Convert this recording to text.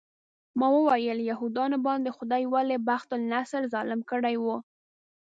ما وویل یهودانو باندې خدای ولې بخت النصر ظالم کړی و.